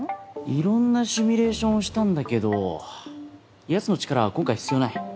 いろんなシミュレーションをしたんだけどやつの力は今回必要ない。